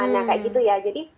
nah kayak gitu ya jadi